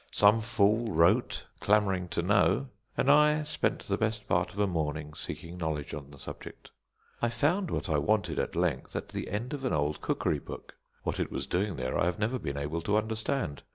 Some fool wrote, clamouring to know; and I spent the best part of a morning seeking knowledge on the subject. I found what I wanted at length at the end of an old cookery book. What it was doing there I have never been able to understand.